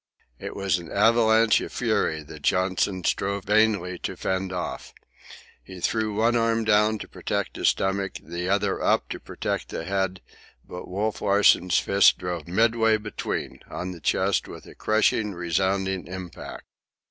It was an avalanche of fury that Johnson strove vainly to fend off. He threw one arm down to protect the stomach, the other arm up to protect the head; but Wolf Larsen's fist drove midway between, on the chest, with a crushing, resounding impact.